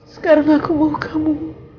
sekarang aku mau kamu